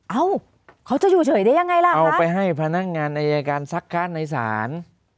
เอ้าเขาจะอยู่เฉยได้ยังไงล่ะคะเอาไปให้พนักงานอัยการศักดิ์ฆ่าในศาล